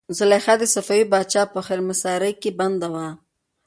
زلیخا د صفوي پاچا په حرمسرای کې بندي وه.